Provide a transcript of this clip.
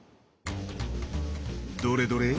どれどれあ！